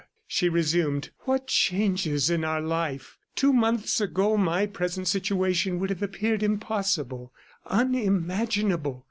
she resumed. "What changes in our life! Two months ago, my present situation would have appeared impossible, unimaginable.